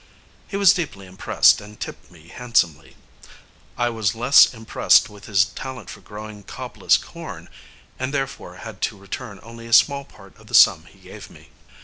He was deeply impressed and tipped me handsomely. I was less impressed with his talent for growing cobless corn, and therefore had to return only a small part of the sum he gave me.